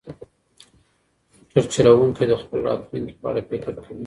موټر چلونکی د خپل راتلونکي په اړه فکر کوي.